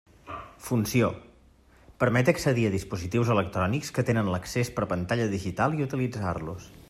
Funció: permet accedir a dispositius electrònics que tenen l'accés per pantalla digital i utilitzar-los.